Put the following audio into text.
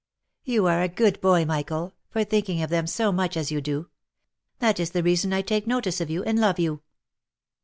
" You are a good boy, Michael, for thinking of them so much as you do. That is the reason I take notice of you, and love you."